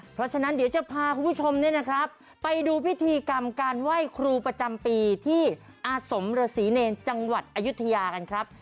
เพราะฉะนั้นเดี๋ยวจะพาคุณผู้ชมเนี่ยนะครับไปดูพิธีกรรมการไหว้ครูประจำปีที่อาสมฤษีเนรจังหวัดอายุทยากันครับ